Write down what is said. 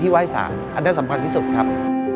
ไหว้สารอันนี้สำคัญที่สุดครับ